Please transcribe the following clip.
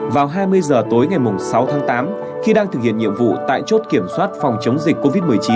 vào hai mươi giờ tối ngày sáu tháng tám khi đang thực hiện nhiệm vụ tại chốt kiểm soát phòng chống dịch covid một mươi chín